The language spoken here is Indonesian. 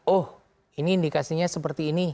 oh ini indikasinya seperti ini